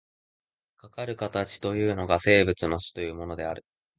かかる形というのが、生物の種というものである。